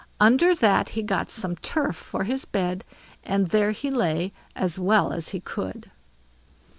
Under that he got some turf for his bed, and there he lay as well as he could.